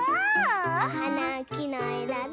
おはなをきのえだで。